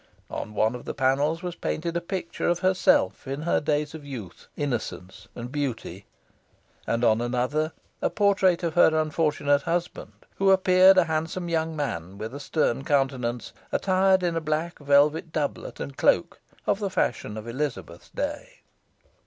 On one of the panels was painted a picture of herself in her days of youth, innocence, and beauty; and on another, a portrait of her unfortunate husband, who appeared a handsome young man, with a stern countenance, attired in a black velvet doublet and cloak, of the fashion of Elizabeth's day.